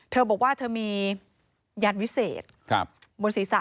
เธอบอกว่าเธอมียันวิเศษบนศีรษะ